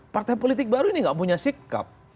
partai politik baru ini gak punya sikap